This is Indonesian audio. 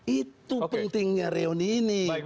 itu pentingnya reuni ini